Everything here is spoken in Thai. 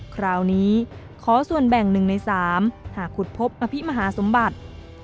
คราวนี้ขอส่วนแบ่งหนึ่งในสามหากคุดพบอภิมฮาสมบัติ